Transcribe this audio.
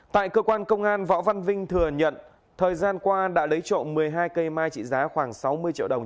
tại cơ quan công an võ văn vinh thừa nhận thời gian qua đã lấy trộm một mươi hai cây mai trị giá khoảng sáu mươi triệu đồng